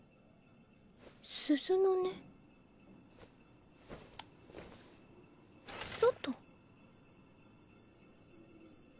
鈴の音？外？